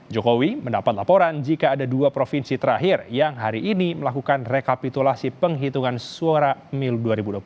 jokowi mendapat laporan jika ada dua provinsi terakhir yang hari ini melakukan rekapitulasi penghitungan suara mil dua ribu dua puluh empat